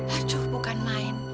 aduh bukan main